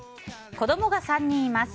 子供が３人います。